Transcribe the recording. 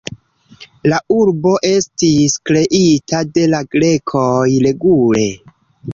La urbo estis kreita de la grekoj regule.